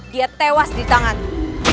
dia tewas di tanganmu